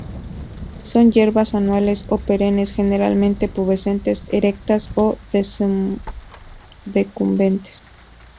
Son hierbas anuales o perennes, generalmente pubescentes, erectas o decumbentes.